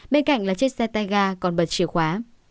bên cạnh là chiếc xe tay ga còn bật chìa khóa